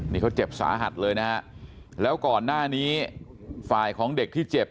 นี่เขาเจ็บสาหัสเลยนะฮะแล้วก่อนหน้านี้ฝ่ายของเด็กที่เจ็บ